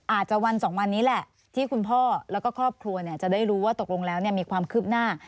อาจจะวันสองวันนี้แหละที่คุณพ่อแล้วก็ครอบครัวจะได้รู้ว่าตกลงแล้วมีความคืบหน้า